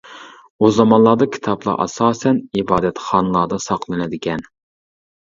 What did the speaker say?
ئۇ زامانلاردا كىتابلار ئاساسەن ئىبادەتخانىلاردا ساقلىنىدىكەن.